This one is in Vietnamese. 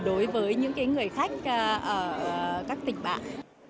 đối với những người khách ở các tỉnh bạc